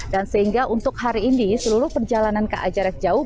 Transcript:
dan sehingga untuk hari ini seluruh perjalanan ka jarek jauh